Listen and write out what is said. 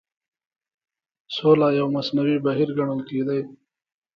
او سوله يو مصنوعي بهير ګڼل کېدی